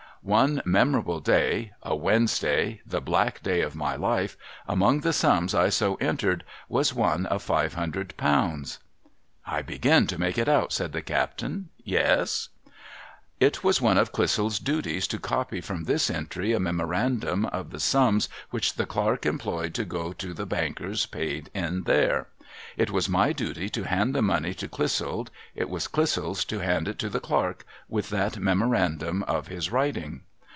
One memorable day, — a A\'ednesday, the black day of my life, — among the sums I so entered was one of five hundred pounds.' ' I begin to make it out,' said the captain. ' Yes ?'' It was one of Clissold's duties to copy from this entry a memorandum of the sums which the clerk employed to go to the bankers' paid in there. It was my duty to hand the money to Clissold ; it was Clissold's to hand it to the clerk, with that memorandum of his writing.